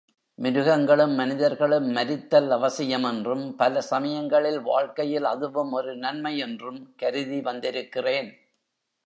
மிருகங்களும், மனிதர்களும் மரித்தல் அவசியம் என்றும், பல சமயங்களில் வாழ்க்கையில் அதுவும் ஒரு நன்மை என்றும் கருதி வந்திருக்கிறேன்.